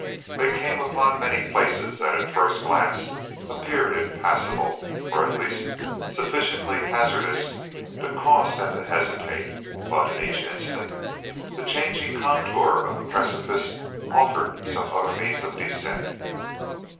They came upon many places that at first glance appeared impassable, or at least sufficiently hazardous to cause them to hesitate, but in each instance the changing contour of the precipice offered some other means of descent.